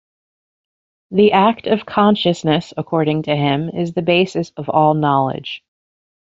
The act of consciousness, according to him, is the basis of all knowledge.